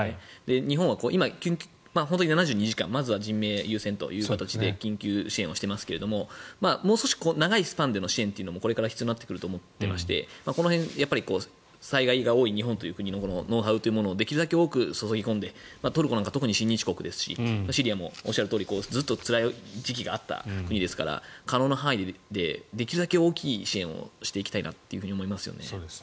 日本は今、本当に７２時間まずは人命優先という形で緊急支援をしていますがもう少し長いスパンの支援も必要になってくると思っていましてそこは災害が多い日本のノウハウというものをできるだけ多く注ぎ込んでトルコなんか特に親日国ですしシリアもおっしゃるとおりずっとつらい時期があった国ですから可能な範囲でできるだけ大きい支援をしていきたいなと思いますよね。